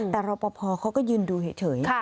แต่รอปภเขาก็ยืนดูเฉย